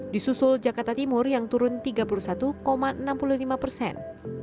di susul jakarta timur yang turun tiga puluh satu enam puluh lima persen